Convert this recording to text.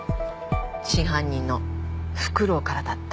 真犯人のフクロウからだった。